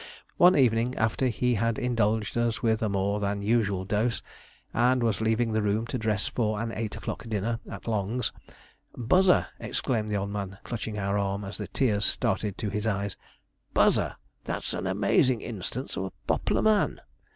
One evening, after he had indulged us with a more than usual dose, and was leaving the room to dress for an eight o'clock dinner at Long's, 'Buzzer!' exclaimed the old man, clutching our arm, as the tears started to his eyes, 'Buzzer! that's an am_aa_zin' instance of a pop'lar man!'